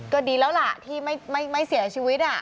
ก็ดีแล้วล่ะที่ไม่เสียชีวิต